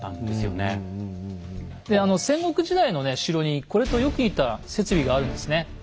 であの戦国時代の城にこれとよく似た設備があるんですね。